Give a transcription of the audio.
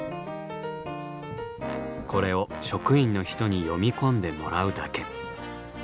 これを職員の人に読み込んでもらうだけ。